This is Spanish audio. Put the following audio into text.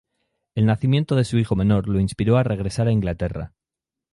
El nacimiento de su hijo menor lo inspiró a regresar a Inglaterra.